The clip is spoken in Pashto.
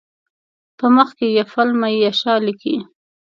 په مخ کې یفل من یشاء لیکي.